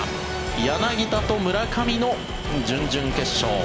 柳田と村上の準々決勝。